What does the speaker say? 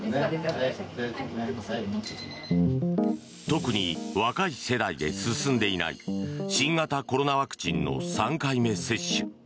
特に若い世代で進んでいない新型コロナワクチンの３回目接種。